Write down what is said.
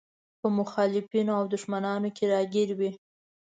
په مخالفينو او دښمنانو کې راګير وي.